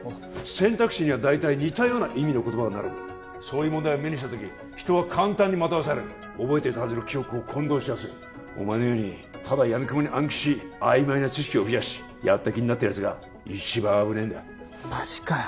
選択肢には大体似たような意味の言葉が並ぶそういう問題を目にした時人は簡単に惑わされる覚えていたはずの記憶を混同しやすいお前のようにただやみくもに暗記し曖昧な知識を増やしやった気になったやつが一番危ねえんだマジかよ